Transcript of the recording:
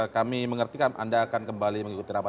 kami mengertikan anda akan kembali mengikuti rapat